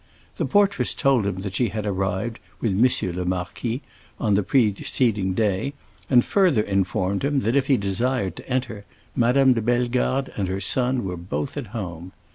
The portress told him that she had arrived, with M. le Marquis, on the preceding day, and further informed him that if he desired to enter, Madame de Bellegarde and her son were both at home.